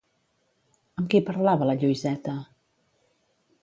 Amb qui parlava la Lluïseta?